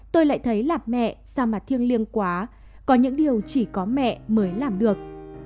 tôi lại thấy làm mẹ sao mà thiêng liêng quá có những điều chỉ có mẹ mới làm được